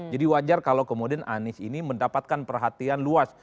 jadi wajar kalau kemudian anies ini mendapatkan perhatian luas